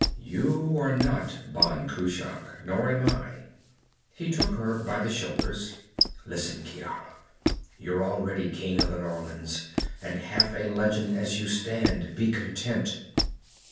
"You are not Ban Cruach. Nor am I." He took her by the shoulders. "Listen, Ciara. You're already king in the Norlands, and half a legend as you stand. Be content."